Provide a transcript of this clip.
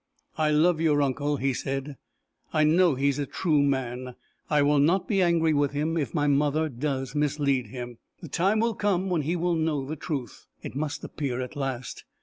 "I love your uncle," he said. "I know he is a true man! I will not be angry with him if my mother do mislead him. The time will come when he will know the truth. It must appear at last!